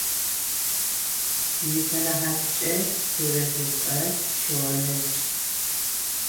Исэнэхьаткӏэ сурэтышӏэ-щыгъынышӏ.